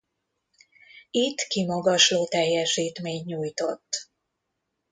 Itt kimagasló teljesítményt nyújtott.